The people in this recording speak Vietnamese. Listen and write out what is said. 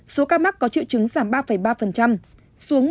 số ca mắc có triệu chứng giảm ba ba xuống một sáu trăm linh sáu